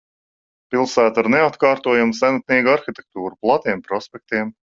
Pilsēta ar neatkārtojamu senatnīgu arhitektūru, platiem prospektiem.